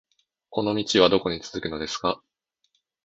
この道はどこに続くのですか